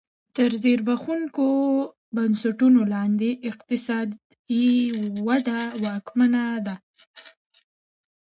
تر زبېښونکو بنسټونو لاندې اقتصادي وده ممکنه ده